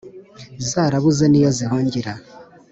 zarabuze n'iyo zihungira,